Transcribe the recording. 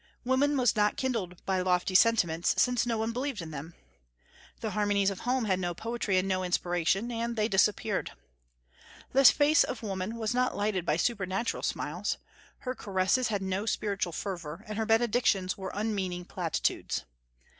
Woman was not kindled by lofty sentiments, since no one believed in them. The harmonies of home had no poetry and no inspiration, and they disappeared. The face of woman was not lighted by supernatural smiles. Her caresses had no spiritual fervor, and her benedictions were unmeaning platitudes.